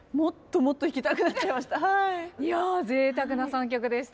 いやぜいたくな３曲でした。